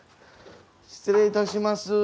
失礼いたします。